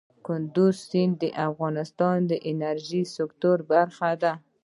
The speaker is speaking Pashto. کندز سیند د افغانستان د انرژۍ سکتور برخه ده.